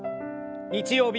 日曜日